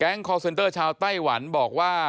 คอร์เซนเตอร์ชาวไต้หวันบอกว่า